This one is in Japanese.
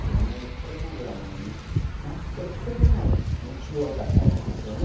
これまではマスクをしてるのが日常だったわけですよね。